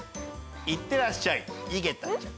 いってらっしゃい井桁ちゃん。